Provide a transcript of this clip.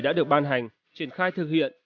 đã được ban hành triển khai thực hiện